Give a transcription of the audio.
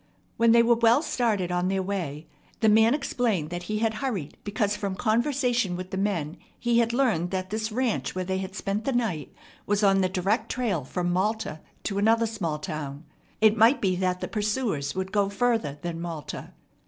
When they were well started on their way, the man explained that he had hurried because from conversation with the men he had learned that this ranch where they had spent the night was on the direct trail from Malta to another small town. It might be that the pursuers would go further than Malta.